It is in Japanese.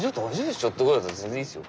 ちょっとぐらいだったら全然いいっすよ。